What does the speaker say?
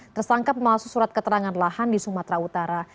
tersangka pemalsu surat keterangan lahan di sumatera utara